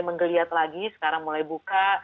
menggeliat lagi sekarang mulai buka